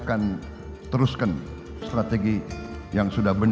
bang jafar menurut pd perjuangan sudah sebelas bulan